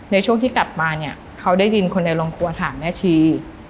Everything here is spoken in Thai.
ในช่วงที่กลับมาเนี่ยเขาได้ยินคนในโรงครัวถามแม่ชี